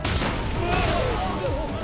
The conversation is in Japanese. うわっ！